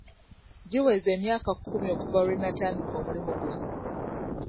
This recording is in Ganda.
Giweze emyaka kkumi okuva lwe natandika mulimu guno.